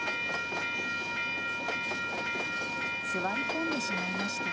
座り込んでしまいました。